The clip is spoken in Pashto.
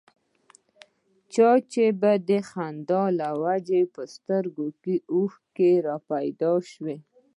د چا به د خندا له وجې په سترګو کې اوښکې را پيدا شوې.